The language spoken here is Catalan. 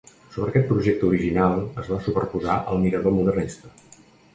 Sobre aquest projecte original es va superposar el mirador modernista.